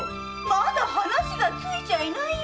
まだ話がついちゃいないよ。